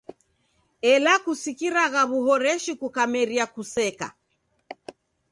Ela kuskiragha w'uhoreshi kukameria kuseka.